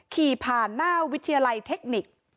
ขี่ผ่านหน้าวิทยาลัยเทคนิค